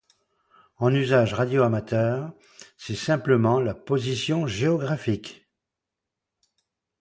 En usage radioamateur, c'est simplement la position géographique.